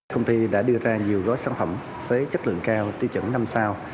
công ty đã đưa ra nhiều gói sản phẩm với chất lượng cao tiêu chuẩn năm sao